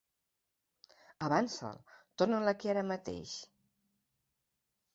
Avança'l; torna'l aquí ara mateix!